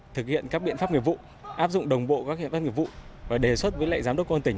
thực hiện các biện pháp nghiệp vụ áp dụng đồng bộ các biện pháp nghiệp vụ và đề xuất với lại giám đốc công an tỉnh